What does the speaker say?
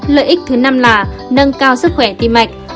lợi ích thứ năm là nâng cao sức khỏe tim mạch